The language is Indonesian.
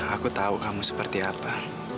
aku tahu kamu seperti apa